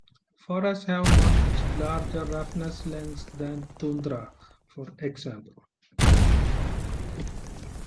Forests have much larger roughness lengths than tundra, for example.